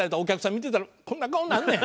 見てたらこんな顔になんねん。